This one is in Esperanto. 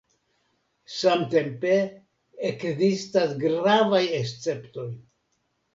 Samtempe, ekzistas gravaj esceptoj.